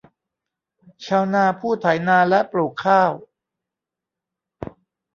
ชาวนาผู้ไถนาและปลูกข้าว